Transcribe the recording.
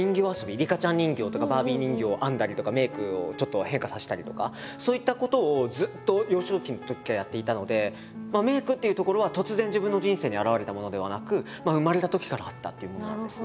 リカちゃん人形とかバービー人形を編んだりとかメイクをちょっと変化させたりとかそういったことをずっと幼少期のときからやっていたのでメイクっていうところは突然自分の人生に現れたものではなく生まれたときからあったっていうものなんですね。